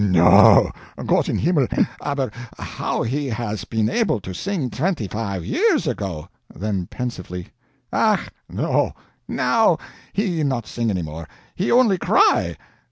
NO! GOTT IM HIMMEL, ABER, how he has been able to sing twenty five years ago?" [Then pensively.] "ACH, no, NOW he not sing any more, he only cry.